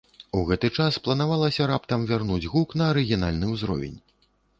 У гэты час планавалася раптам вярнуць гук на арыгінальны ўзровень.